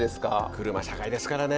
車社会ですからね。